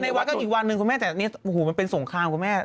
ในวัดก็อีกวันนึงคุณแม่แต่นี้หูว่าเป็นส่งคลาญคุณแม่